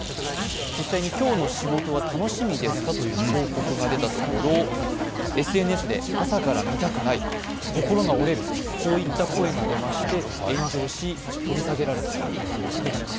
実際に「今日の仕事は楽しみですか」という広告を見たところＳＮＳで、朝から見たくない、心が折れる、こういった声が出まして炎上し、取り下げられたということです。